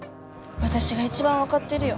私が一番分かってるよ